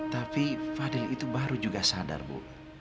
tapi fadil itu baru juga sadar bu